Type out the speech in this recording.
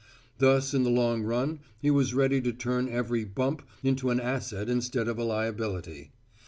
Thus in the long run he was ready to turn every "bump" into an asset instead of a liability.